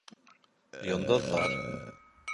Йондоҙҙар.